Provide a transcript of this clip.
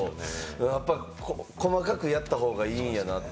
やっぱり細かくやった方がいいんやなって。